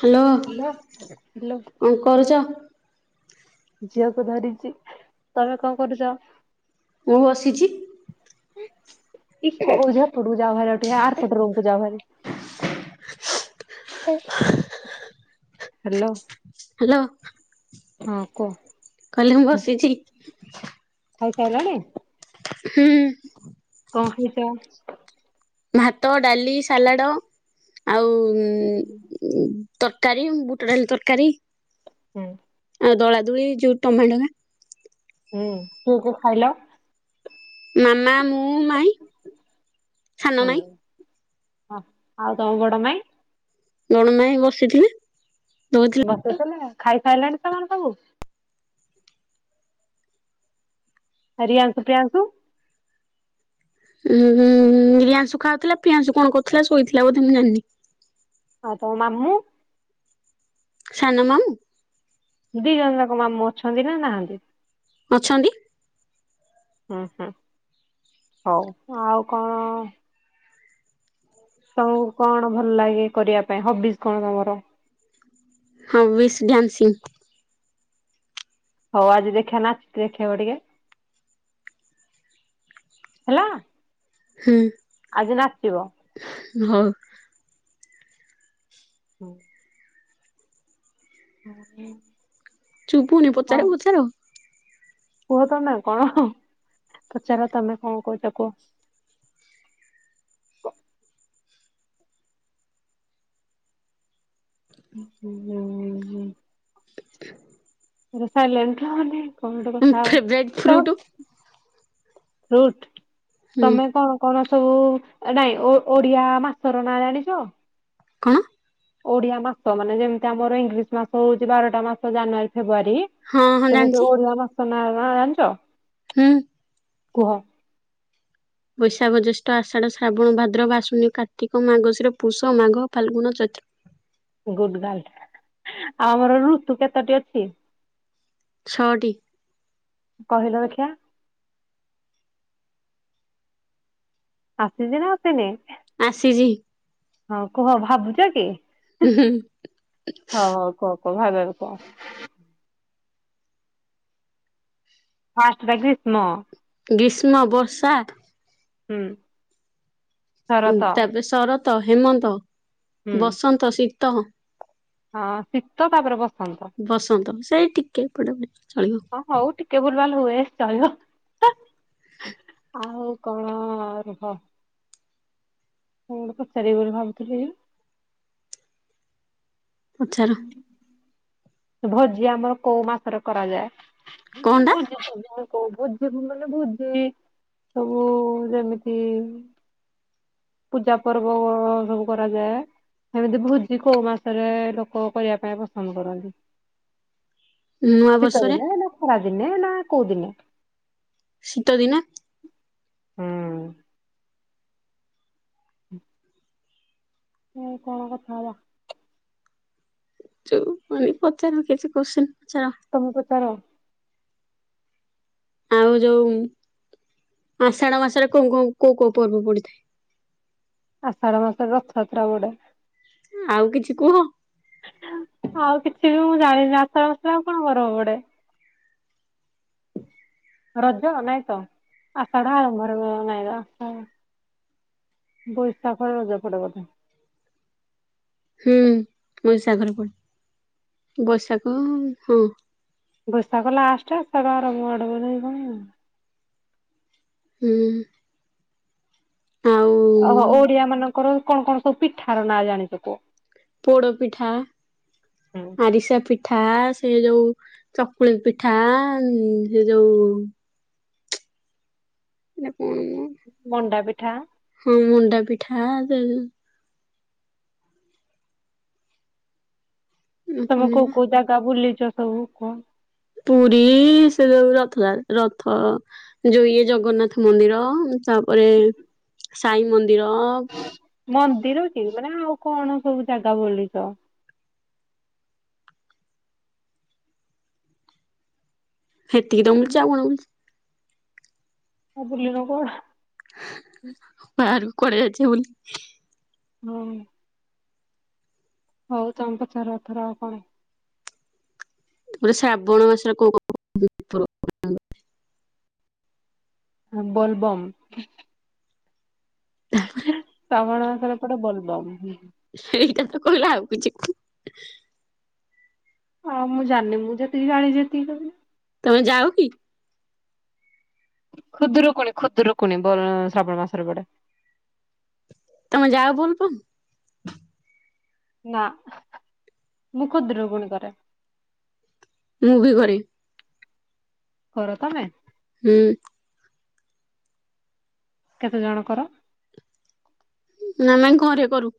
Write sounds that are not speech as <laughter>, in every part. Hello. Hello hello କଣ କରୁଚ? ଝିଅକୁ ଧରିଚି। ତମେ କଣ କରୁଚ? ମୁଁ ବସିଛି ଓଝାପଟକୁ ଯାଉ ଭାଠିକ ଆର ଫଟ ରମକୁ ଯାଉ ଭାରି। ହାଲୋ। ହାଲୋ। ହଁ କୁହ। କହିଲି ମୁଁ ବସିଚି। ଖାଇସାରିଲଣି ହୁଁ। କଣ ଖାଇଚ? ଭାତ, ଡାଲି, ସାଲାଟ, ଆଉ ଉଁ ତରକାରୀ, ବୁଟା ଡାଲି ତରକାରୀ। ହୁଁ। ଆଉ ଦଳାଦୁଳି ଯୋଉ ଟମାଟୋ ଗା। ହୁଁ କିଏ କିଏ ଖାଇଲ? ମାମା, ମୁଁ, ମାଇଁ। ସାନ ମାଇଁ ହଁ ଆଉ ତମ ବଡ ମାଇଁ? ବଡ଼ ମାଇଁ ବସିଥିଲେ ଦଉଥିଲେ। ବସୁଥିଲେ ଖାଇ କରିସାରିଲେଣି ସେମାନେ ସବୁ? ରିିଆଂଶୁ ପ୍ରିୟାଂଶୁ ଉୁଁହୁଁ ହୁଁ ରିୟାଂଶୁ ଖାଉଥିଲା ପିୟାଂଶୁ କଣ କରୁଥିଲା ଶୋଇଥିଲା ବୋଧେ ମୁଁ ଜାଣିନି। ଆଉ ତମ ମାମୁଁ। <inaudible> ସାନମାମୁଁ ଦି ଜଣ ଯାଙ୍କ ମାମୁଁ ଅଛନ୍ତି ନା ନାହାନ୍ତି? ଅଛନ୍ତି। ହୁଁ ହୁଁ ହଉ ଆଉ କଣ? ଆଉ କଣ ଭଲ ଲାଗେ କରିବା ପାଇଁ ହବିଜ୍ କଣ ତମର? ହବି ଶ ଡାନ୍ସଶିଙ୍ଗ। ହଉ ଆଜି ଦେଖିବା ନାଚ ଦେଖେଇବ ଟିକେ। ହେଲା ହୁଁ ଆଜି ନାଚିବ। ହଉ। <inaudible> ହୁଁ। <inaudible> ଚୁଭୁନି ହଁ ପଚାର ପଚାର। କୁହ ତମେ କଣ ପଚାର ତମେ କଣ କହୁଛ କୁହ? ହୁଁ ହୁଁ ହୁଁ। <inaudible> ସାଇଲେଣ୍ଟ ରେ ମାନେ କଣ ଗୋଟେ କଥା ଫେବରାଇଟ ହବ ତ ଫ୍ରୁଟ ରୁଟ ହୁଁ ତମେ କଣ? କଣ ସବୁ ନାଇଁ ଓଡିଆ ମାସର ନାଁ ଜାଣିଛ? କଣ? ଓଡିଆ ମାସ ମାନେ ଯେମିତି ଆମର ଇଂଲିଶ ମାସ ହଉଛି ବାରଟା ମାସ ଜାନୁଆରୀ ଫେବୃଆାରୀ ହଁ ହଁ ସେମିତି ଜାଣିଛି ଓଡିଆ ମାସ ନା ଜାଣିଛ? ହୁଁ। କୁହ? ବୈଶାବ ଜ୍ୟେଷ୍ଠ ଆଷାଢ ଶ୍ରାବଣ ଭାଦ୍ରବ ଆଶ୍ୱିନ କାର୍ତିକ ମାାଗଶିର ପୁଷ ମାଘ ଫାଲଗୁଣ ଚୈତିର। ଗୁଡ ଗାର୍ଲ ଆଉ ଆମର ଋତୁ କେତେଟି ଅଛି? ଛଅଟି। କହିଲ ଦେଖି। ଆସିଛି ନା ଆସିନି? ଆସିଛି। ହଁ କୁହ ଭାବୁଛ କି? ହୁଁ। ହଁ ହଉ କୁହ କୁହ ଭାବି ଭାବି କୁହ? ଫାଷ୍ଟ ଟା ଗ୍ରୀିଷ୍ମ। ଗ୍ରୀଷ୍ମ ବର୍ଷା ହୁଁ। ଶରତ ତାପରେ ଶରତ ହେମନ୍ତ ହୁଁ ବସନ୍ତ ଶୀତ। ହଁ ଶୀତ ତାପରେ ବସନ୍ତ। ବସନ୍ତ ସେଇ ଟିକେ ପଟେ ଚଳିବ। ହଉ ଟିକେ ଭୁଲ୍ ବାଲ୍ ହୁଏ ଚଳିବ। <inaudible> ଆଉ କଣ ରୁହ। ମୁଁ ଗୋଟେ ପଚାରିବି ବୋଲି ଭାବୁଥିଲି। ପଚାର। ଭୋଜି ଆମର କୋଉ ମାସରେ କରାଯାଏ। କୋଉ କଣଟା ଭୋଜି ମାନେ ଭୋଜି ସବୁ ଯେମିତି ପୂଜା ପର୍ବ ସବୁ କରାଯାଏ ହେମିତି ଭୋଜି କୋଉ ମାସରେ ଲୋକ କରିବା ପାଇଁ ପସନ୍ଦ କରନ୍ତି। ନୂଆ ଶୀତ ବର୍ଷରେ ଦିନେ ନା ଖରା ଦିନେ ନା କୋଉ ଦିନେ? ଶୀତଦିନ। ହୁଁ। ହୁଁ। ଆଉ କଣ କଥା ହବା। ଯଉ ମାନ ପଚାରି କିଛି କୋସ୍ଚିନ୍ ପଚାର ତମେ ପଚାର? ଆଉ ଯୋଉ ଆଷାଢ ମାସରେ କଁ କଁ କୋଉ କୋଉ ପର୍ବ ପଡିଥାଏ? ଆଷାଢ଼ ମାସରେ ରଥଯାତ୍ରା ପଢ଼େ। ଆଉ କିଛି କୁହ? ଆଉ କିଛିବି ମୁଁ ଜାଣିନି ଆଷାଢ଼ ମାସରେ ଆଉ କଣ ପରବ ପଡ଼େ। ରଜ ନାଇତ ଆଷାଢ଼ ଆରମ୍ଭରେ <unintelligible> ବୈଶାଖରେ ରଜ ପଡ଼େ ବୋଧେ। ହୁଁ ବୈଶାଖରେ ପଡ଼େ ବୈଶାଖ ହଁ। ବୈଶାଖ ଲାଷ୍ଟେ ଆଷାଢ଼ ଆରମ୍ଭ ଆଡ଼କୁ ବୋଧେ କଣ। ହୁଁ। ଆଉ ଓହୋ ଓଡ଼ିଆ ମାନଙ୍କର କଣ କଣ ସବୁ ପିଠାର ନାଁ ଜାଣିଚ କୁହ? ପୋଡ଼ ପିଠା ହୁଁ ଆରିସା ପିଠା ସେ ଯୋଉ ଚକୁଳି ପିଠା ସେଯୋଉ ଏଟା କଣମୋ ମଣ୍ଡା ପିଠା ହଁ ମୁଣ୍ଡା ପିଠା ଦେ ତମେ କୋଉ ପୂର୍ଣ୍ଣିମା କୋଉ ଜାଗା ବୁଲିଚ ସବୁ କୁହ? ପୁରୀ ସେଯଉ ରଥଯା ରଥ ଯଇଏ ଜଗନ୍ନାଥ ମନ୍ଦିର ତାପରେ ସାଇଁ ମନ୍ଦିର ମନ୍ଦିରକି ମାନେ ଆଉ କଣ ସବୁ ଜାଗା ବୁଲିଚ? ହେତିକିତ ହୁଁ ବୁଲିଚି ଆଉ କଣ ଆଉ ବୁଲିିନ କୁଆଡ଼େ? ବାହାରକୁ କୁଆଡ଼େ ଯାଇଚ ବୁଲି? <unintelligible> ହଉ ତମେ ପଚାର ଏଥର ଆଉ କଣ? ମୁକଇଲି ଶ୍ରାବଣ ମାସରେ କୋଉ କୋଉ ଠାକୁର, ବୋଲବମ୍। ତାପରେ? ଶ୍ରାବଣ ମାସରେ ପଡ଼େ ବୋଲବମ୍। ଏଇଟାତ କହିଲା ଆଉ କିଛି କ ଆଉ ମୁଁ ଜାଣିନି ମୁଁ ଯେତିକି ଯାଣିଚି ସେତିକିି କହିଲି। ତମେ ଯାଅକି? ଖୁଦରୁକୁୁଣି ଖୁଦରୁକୁଣି ବର ଶ୍ରାବଣ ମାସରେ ପଡ଼େ। ତମେ ଯାହା ବୋଲବ୍ ନା ମୁଁ ଖୁଦୁରୁକୁଣୀ କରେ। ମୁଁ ବି ଘରେ। କର ତମେ? ହୁଁ। କେତେ ଜଣଙ୍କର? ନା ଆମେ ଘରେ କରୁ।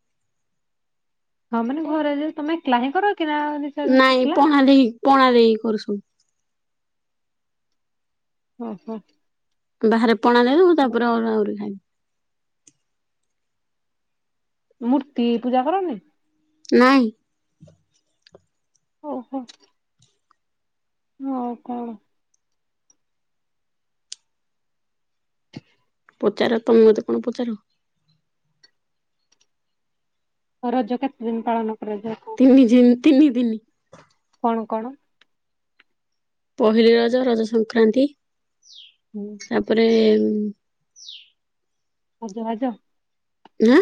ହଁ ମାନେ ଘରେ ଯୋଉ ତମେ <unintelligible> କର କି ନା? ଚାରି ଜଣ ନାଇଁ ଏକଲା ପଣା ଦେଇ ପଣା ଦେଇକି କରୁସୁ ଓହୋ। ବାହାରେ ପଣା ଦେବେ ମୁ ତାପରେ ଅରୁଆ ଆହୁରି ଖାଇବି। ମୂର୍ତ୍ତି ପୂଜା କରନି। ନାଇଁ। ଓହୋ। ଆଉ କଣ? ପଚାର ତମେ ମୋତେ କଣ ପଚାର? ରଜ କେତେ ଦିନ ପାଳନ କରାଯାଏ? ତିନି ଦିନ ତିନି ଦିନି। କଣ କଣ? ପହିଲି ରଜ ରଜ ସଂକ୍ରାନ୍ତି। ହୁଁ। ତାପରେ ସଜବାଜ। ନା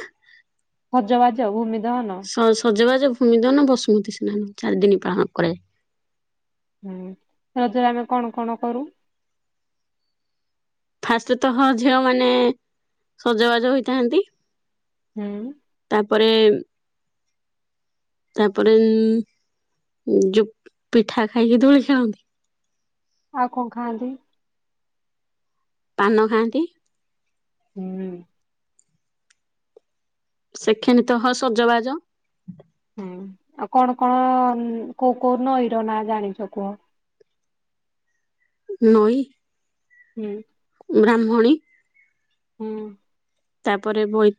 ସଜବାଜ ଭୂମି ଦହନ। ସଜବାଜ ଭୂମି ଦହନ ବସୁମତି ସ୍ନାନ ଚାରି ଦିନ ପାଳନ କରାଯାଏ। ହୁଁ ରଜରେ ଆମେ କଣ କଣ କରୁ? ଫାଷ୍ଟରେ ତ ହ ଝିଅ ମାନେ ସଜବାଜ ହୋଇଥାନ୍ତି। ହୁଁ। ତାପରେ ତାପରେ ଯୋଉ ପିଠା ଖାଇକି ଦୋଳି ଖେଳନ୍ତି। ଆଉ କଣ ଖାଆନ୍ତି? ପାନ ଖାଆନ୍ତି। ହୁଁ। ସେକେଣ୍ଡ ତ ହ ସଜବାଜ। ହୁଁ ଆଉ କଣ କଣ କୋଉ କୋଉ ନଈର ନାଁ ଜାଣିଛ କୁହ? ନଈ? ହୁଁ। ବ୍ରାହ୍ମଣୀ। ହୁଁ। ତାପରେ ବୈ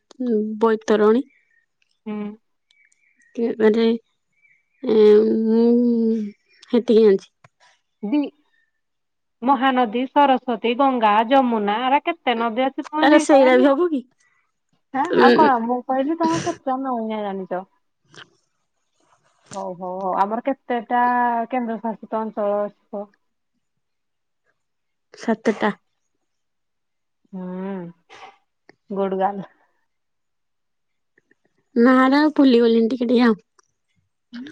ବୈତରଣୀ। ହୁଁ। ତାପରେ ଏ ମୁଁ ହେତିକି ଜାଣିଛି। ବି ମହାନଦୀ ସରସ୍ୱତୀ ଗଙ୍ଗା ଯମୁନା ଆରା କେତେ ନଦୀ ଆରେ ସେଇରା ବି ଅଛି। ହବ କି <inaudible> ଆଉ ଉଁ କଣ ମୁଁ କହିଲି ତମର <unintelligible> ନଉନି ହେରାକ। ହ ହଉ ହଉ ହଉ ଆମର କେତେଟା କେନ୍ଦ୍ର ଶାସିତ ଅଞ୍ଚଳ ଅଛି? କୁହ? ସାତଟା ହୁଁ ଗୁଡ଼ଗାଲ। ନା ନା ନାଉ ଫୁଲିଗଲିଣିି ଟିକେ ଟିକି ଆଉ। ହୁଁ।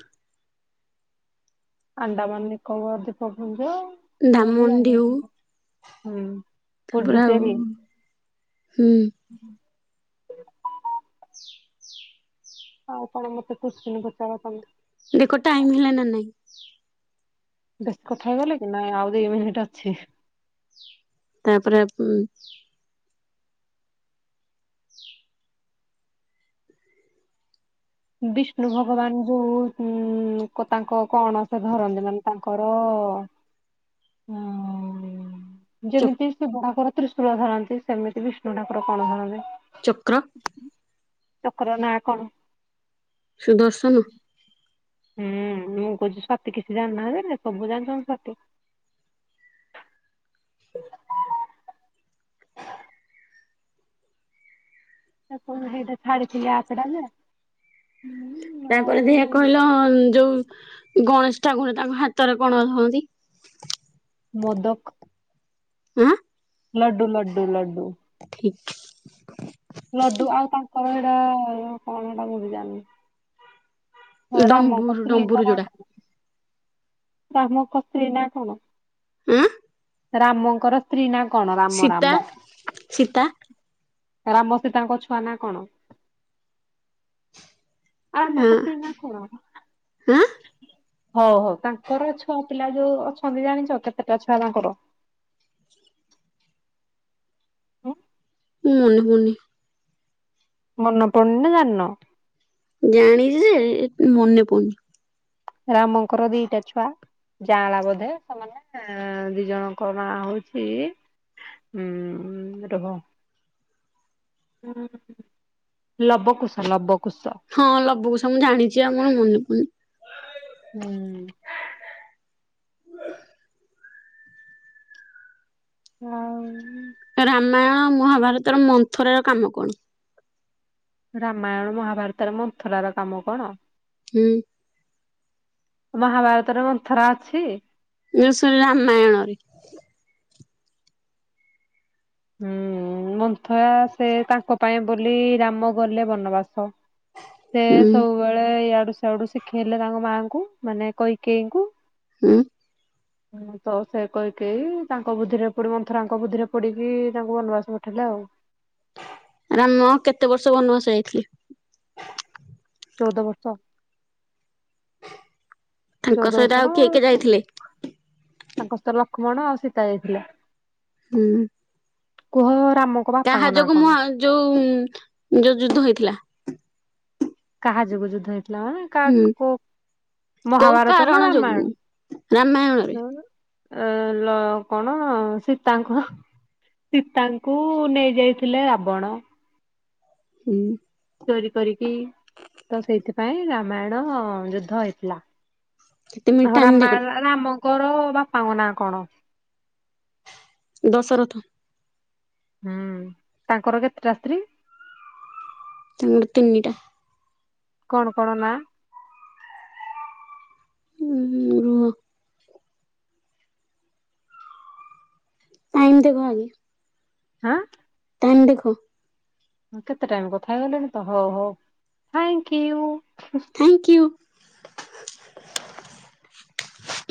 ଆଣ୍ଡାମାନ ନିିକବର ଦୀପକୁଞ୍ଜ। ଧାମଡ଼ି ହୋଉ। ହୁଁ। ବୁରା ଆଉ ପୁଡୁଚେରୀ ହୁଁ। ଆଉ କଣ ମତେ କଶିନୀ ପଚାର ତମେ? ଦେଖ ଟାଇମ ହେଲା ନା ନାଇଁ? ବେଶୀ କଥା ହେଇଗଲେ କି ନାଇଁ ଆଉ ଦୁଇ ମିନିଟ ଅଛି। ତାପରେ ଉ ବିଷ୍ଣୁ ଭଗବାନ ଯୋଉ ଉ ତାଙ୍କ କଣ ସେ ଧରନ୍ତି ମାନେ ତାଙ୍କ କର ଉ ଯେମିତି ସେ ଶିବଙ୍କର ତ୍ରିଶୂଳ ଧରନ୍ତି ସେମିତି ବିଷ୍ଣୁ ଠାକୁର କଣ ଧରନ୍ତି? ଚକ୍ର। ଚକ୍ର ନାଁ କଣ? ସୁଦର୍ଶନ। ହୁଁ ମୁଁ କହୁଛିି ସତୀ କିଛି ଜାଣିନାହାନ୍ତି ନା ସବୁ ଜାଣିଛନ୍ତି ସତୀ। ଆ ତା କଣ ହେଇଟା ଛାଡିଥିଲେ ଆପ ଟା ଯେ ଆଉ ତାପରେ ଦେହ କହିଲ ଯୋଉ ଗଣେଶ ଠାକୁର ତାଙ୍କ ହାତରେ କଣ ଧରନ୍ତି? ମଦକ ଆଁ ଲଡୁ ଲଡୁ ଲଡୁ। ଠିକ। ଲଡୁ ଆଉ ତାଙ୍କର ଏଇଟା କଣ ସେଟା ମୁଁ ବି ଜାଣିନି। ହଁ, ରାମଙ୍କ ଡମ୍ବୁରୁ ସ୍ତ୍ରୀ ଡମ୍ବୁରୁ ଯୋଉଟା। କାମ ଖସୁରି ନା କଣ? ଉଁ ରାମଙ୍କର ସ୍ତ୍ରୀ ନା କଣ ରାମ ସୀତା ରାମ? ସୀତା ରାମ ସୀତାଙ୍କ ଛୁଆ ନା କଣ? ଆ ରାମ ଙ୍କ ଆଁ ସ୍ତ୍ରୀ ନାଁ କଣ? ଆଁ ହଉ ହଉ ତାଙ୍କର ଛୁଆ ପିଲା ଯୋଉ ଅଛନ୍ତି ଜାଣିଛ କେତେଟା ଛୁଆ ତାଙ୍କର? <inaudible> ଉଁ ମାନେ ହଉନି। ମନ ପଡୁନି ନାଁ ଜାଣିନ। ଜାଣିଛି ଯେ ଏ ମନେ ପଡୁନି। ରାମଙ୍କର ଦିଟା ଛୁଆ। ଯାଆଁଲା ବୋଧେ ସେମାନେ ଦି ଜଣଙ୍କ ନାଁ ହଉଛି ହୁଁ ରହ ଲବକୁଶ ଲବକୁଶ। ହଁ ଲବୁ କୁଶ ମୁଁ ଜାଣିଛି ଆଉ ମୋର ମନେ ପଡୁନି। ହୁଁ। ହ ଉଁ। ରାମାୟଣ ମହାଭାରତର ମନ୍ଥରା ର କାମ କଣ। ରାମାୟଣ ମହାଭାରତରେ ମନ୍ଥରା ର କାମ କଣ। ହୁଁ। ମହାଭାରତର ରେ ମନ୍ଥରା ଅଛି। ଏ ସରି ରାମାୟଣରେ। ହୁଁ ମନ୍ଥରା ସେ ତାଙ୍କ ପାଇଁ ବୋଲି ରାମ ଗଲେ ବନବାସ। ସେ ହୁଁ ସବୁବେଳେ ଇଆଡୁ ସଆଡୁ ଶିଖେଇଲେ ତାଙ୍କ ମାଆଙ୍କୁ ମାନେ କଇକେଇଙ୍କୁ। ହୁଁ। ହୁଁ ତ ସେ କୈକେଇ ତାଙ୍କ ବୁଦ୍ଧିରେ ପଡି ମନ୍ଥରାଙ୍କ ବୁଦ୍ଧିରେ ପଡିକି ତାଙ୍କୁ ବନବାସ ପଠେଇଲେ ଆଉ। ରାମ କେତେ ବର୍ଷ ବନବାସ ଯାଇଥିଲେ। ଚଉଦ ବର୍ଷ। ତାଙ୍କ ଚଉଦ ବର୍ଷ ସହିତ ନା ଆଉ ବାର କିଏ କିଏ ବର୍ଷ ଯାଇଥିଲେ। ତାଙ୍କ ସହିତ ଲକ୍ଷ୍ମଣ ଆଉ ସୀତା ଯାଇଥିଲେ। ହୁଁ। କୁହ ରାମ କାହା ଯୋଗୁ ମୁହ ଯୋଉ ଯୋଉ ଯୁଦ୍ଧ ହେଇଥିଲା। କାହା ଯୋଗୁ ଯୁଦ୍ଧ ହେଇଥିଲା ମାନେ। କା ହୁଁ କୋ କୋଉ ମହାଭାରତ ନା କାରଣ ଯୋଗୁ ରାମାୟଣ ରାମାୟଣରେ ହୁଁ। ଏ ଲ କଣ ସୀତାଙ୍କୁ। ସୀତାଙ୍କୁ ନେଇ ଯାଇଥିଲେ ରାବଣ। ହୁଁ। ଚୋରି କରିକି ତ ସେଇଥିପାଇଁ ରାମାୟଣ ଯୁଦ୍ଧ ହେଇଥିଲା। କେତେ ମିନିଟ ଟାଇମ ଦେଖ ରାମୟାଣରେ ରାମଙ୍କର ବାପାଙ୍କ ନାଁ କଣ। ଦଶରଥ। ହୁଁ ତାଙ୍କର କେତେଟା ସ୍ତ୍ରୀ। ତିନୋଟି ତିନିଟା। କଣ କଣ ନାଁ। ଉଁ ରୁହ। ଟାଇମ ଦେଖ ଆଗେ। ହାଁ। ଟାଇମ୍ ଦେଖ। ହଁ କେତେ ଟାଇମ କଥା ହେଇଗଲେଣି ତ ହଉ ହଉ ଥାଙ୍କ୍ ୟୂ। Thank you.